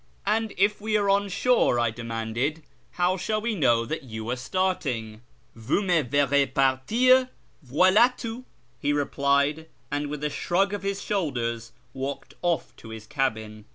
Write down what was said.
" And if we are on shore," I demanded, " how shall we know that you are starting ?"" Vous me vcrrcz pai'tvr, voila tout^' he replied, and, with a shrug of his shoulders, walked off to his cabin.